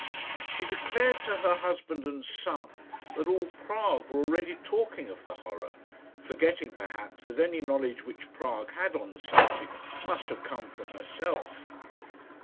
She declared to her husband and son that all Prague were already talking of the horror, forgetting, perhaps, that any knowledge which Prague had on the subject must have come from herself.